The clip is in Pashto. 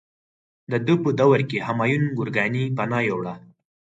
د ده په دوره کې همایون ګورکاني پناه یووړه.